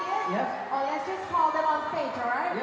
โอเคขอบคุณมากสวัสดีครับ